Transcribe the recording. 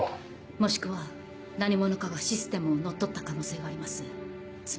もしくは何者かがシステムを乗っ取った可能性があります。